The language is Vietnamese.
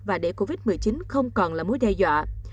và để covid một mươi chín không còn là mối đe dọa